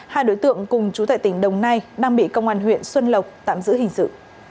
hai đối tượng cùng chú tại tỉnh đồng nai đang bị công an huyện xuân lộc tạm giữ hình sự